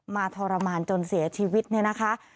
ทรมานจนเสียชีวิตเนี่ยนะคะ